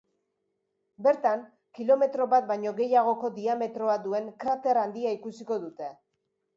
Bertan, kilometro bat baino gehiagoko diametroa duen krater handia ikusiko dute.